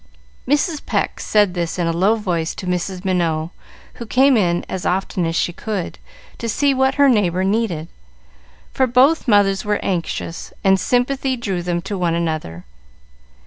Mrs. Pecq said this in a low voice to Mrs. Minot, who came in as often as she could, to see what her neighbor needed; for both mothers were anxious, and sympathy drew them to one another.